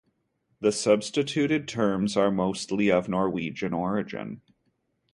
The substituted terms are mostly of Norwegian origin.